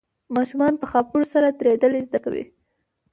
ماشومان په خاپوړو سره ودرېدل زده کوي.